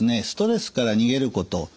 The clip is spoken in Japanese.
ストレスから逃げること